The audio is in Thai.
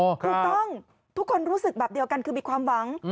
ถูกต้องทุกคนรู้สึกแบบเดียวกันคือมีความหวัง